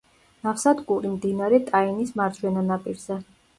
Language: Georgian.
ნავსადგური მდინარე ტაინის მარჯვენა ნაპირზე.